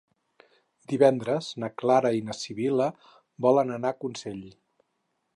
Divendres na Clara i na Sibil·la volen anar a Consell.